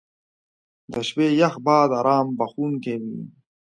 • د شپې یخ باد ارام بخښونکی وي.